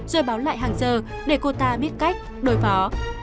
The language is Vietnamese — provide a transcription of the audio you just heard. rồi báo lại hàng giờ để cô ta biết cách đối phó